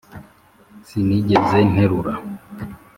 sinigeze nterura